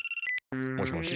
もしもし。